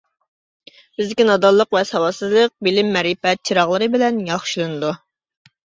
بىزدىكى نادانلىق ۋە ساۋاتسىزلىق بىلىم-مەرىپەت چىراغلىرى بىلەن ياخشىلىنىدۇ.